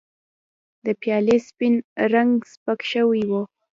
د پیالې سپین رنګ سپک شوی و.